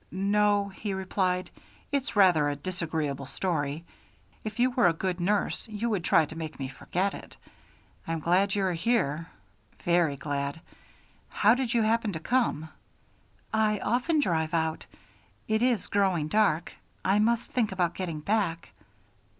"No," he replied, "it's rather a disagreeable story. If you were a good nurse you would try to make me forget it. I'm glad you are here very glad. How did you happen to come?" "I often drive out. It is growing dark. I must think about getting back."